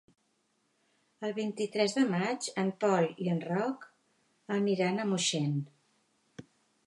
El vint-i-tres de maig en Pol i en Roc aniran a Moixent.